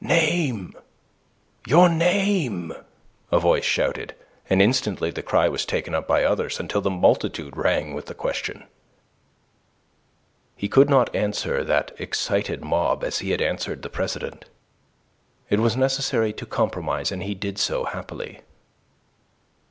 "Name! Your name!" a voice shouted, and instantly the cry was taken up by others, until the multitude rang with the question. He could not answer that excited mob as he had answered the president. It was necessary to compromise, and he did so, happily.